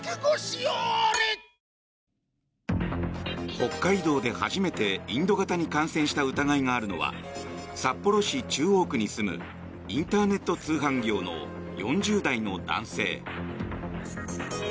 北海道で初めて、インド型に感染した疑いがあるのは札幌市中央区に住むインターネット通販業の４０代の男性。